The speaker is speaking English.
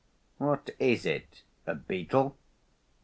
"What is it? A beetle?"